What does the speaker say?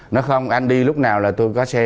nó không anh đi lúc nào là tôi có xe